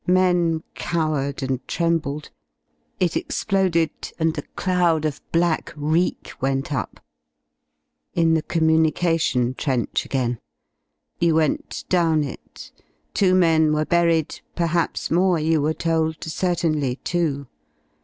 \P^ * Men cowered and trembled. It exploded, and a cloud Oi black reek went up — in the communication trench again. You went down it; two men were buried, perhaps more you were told, certainly two.